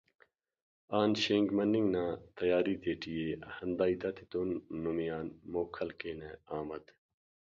آن Schank morning نا تیاری تیٹی ءِ ہندا ہیت آتتون نمے آن موکل کینہ احمد